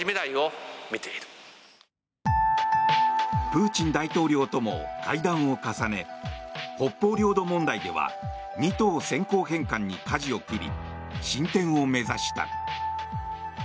プーチン大統領とも会談を重ね北方領土問題では２島先行返還にかじを切り進展を目指した。